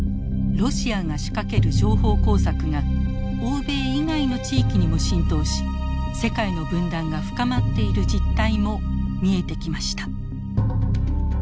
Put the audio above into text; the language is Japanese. ロシアが仕掛ける情報工作が欧米以外の地域にも浸透し世界の分断が深まっている実態も見えてきました。